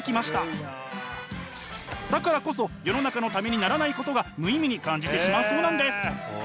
だからこそ世の中のためにならないことが無意味に感じてしまうそうなんです。